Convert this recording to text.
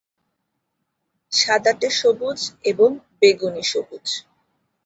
সাদাটে সবুজ এবং বেগুনি সবুজ।